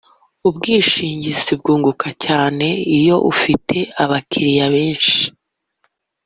ubwishingizi rwunguka cyane iyo ufite abakiriya benshi